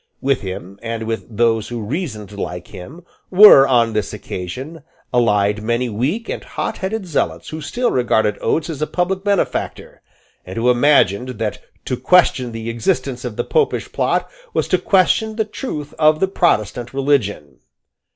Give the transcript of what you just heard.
With him, and with those who reasoned like him, were, on this occasion, allied many weak and hot headed zealots who still regarded Oates as a public benefactor, and who imagined that to question the existence of the Popish plot was to question the truth of the Protestant religion.